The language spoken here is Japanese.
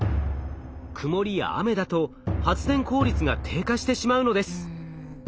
曇りや雨だと発電効率が低下してしまうのです。